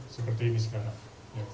seperti ini sekarang